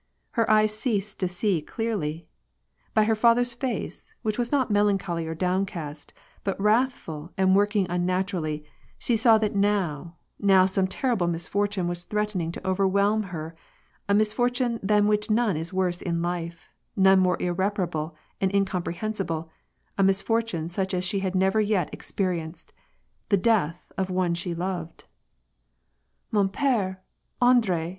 Her eyes ceased to see clearly. By her father's face, which was not melancholy or downcast, but wrathful and working unnaturally, she saw that now, now some terrible mis fortune was threatening to overwhelm her, a misfortune than which none is worse in life, none more irreparable and incom prehensible, a misfortune such as she had never yet experi enced,— the death of one she loved. " Man p^e / Andre